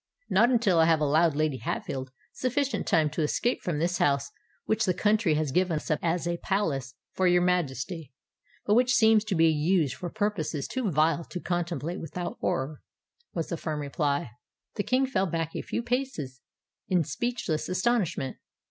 "Not until I have allowed Lady Hatfield sufficient time to escape from this house which the country has given as a palace for your Majesty, but which seems to be used for purposes too vile to contemplate without horror," was the firm reply. The King fell back a few paces in speechless astonishment.